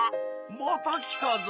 また来たぞ！